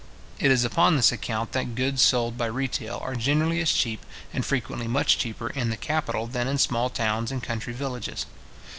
It is upon this account that goods sold by retail are generally as cheap, and frequently much cheaper, in the capital than in small towns and country villages.